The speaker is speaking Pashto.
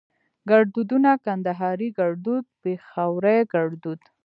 ګړدودونه کندهاري ګړدود پېښوري ګړدود